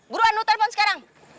buruan lu telpon sekarang